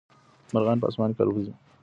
مرغان په اسمان کي البوځي.